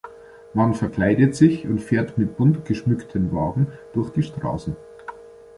Man verkleidet sich und fährt mit bunt geschmückten Wagen durch die Straßen.